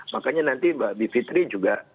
makanya nanti mbak bivitri juga